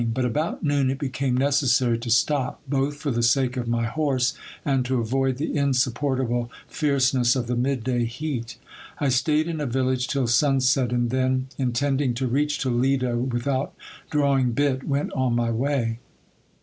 But about noon it became necessary to stop, both for the sake of my horse and to avoid the insupportable fierceness of the mid day heat. I staid in a village till sun set, and then, in tending to reach Toledo without drawing bit, went on my way.